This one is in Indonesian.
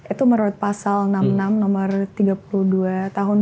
itu menurut pasal enam puluh enam nomor tiga puluh dua tahun dua ribu